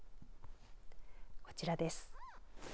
こちらです。